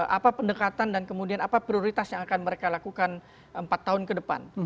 apa pendekatan dan kemudian apa prioritas yang akan mereka lakukan empat tahun ke depan